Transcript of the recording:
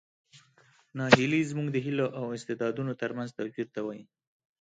ناهیلي زموږ د هیلو او استعدادونو ترمنځ توپیر ته وایي.